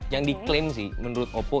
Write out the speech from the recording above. yang diklaim sih menurut oppo